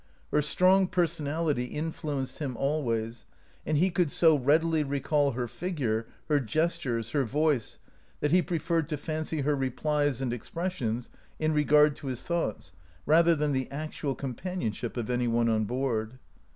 Her strong personality influenced him always, and he could so readily recall her figure, her gestures, her voice, that he preferred to fancy her replies and expressions in regard to his thoughts, rather than the actual com panionship of any one on board.